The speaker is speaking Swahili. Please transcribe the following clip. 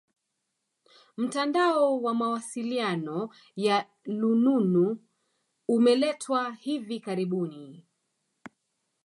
Mtandao wa mawasiliano ya lununu umeletwa hivi karibuni